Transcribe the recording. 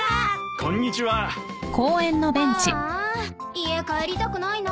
家帰りたくないな。